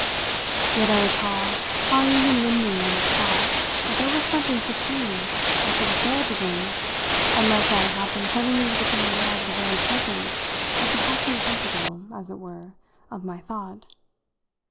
Yet I recall how I even then knew on the spot that there was something supreme I should have failed to bring unless I had happened suddenly to become aware of the very presence of the haunting principle, as it were, of my thought.